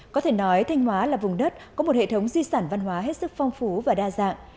có thể nói thanh hóa là vùng đất có một hệ thống di sản văn hóa hết sức phong phú và đa dạng